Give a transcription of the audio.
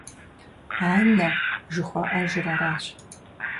Анэ жыхуаӀэжыр аращ!